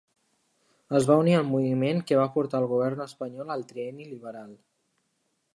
Es va unir al moviment que va portar al govern espanyol al Trienni liberal.